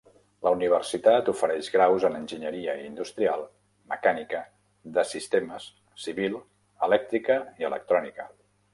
La universitat ofereix graus en enginyeria industrial, mecànica, de sistemes, civil, elèctrica i electrònica.